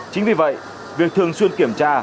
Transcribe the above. chính vì vậy việc thường xuyên kiểm tra